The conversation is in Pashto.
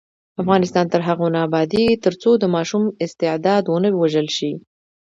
افغانستان تر هغو نه ابادیږي، ترڅو د ماشوم استعداد ونه وژل شي.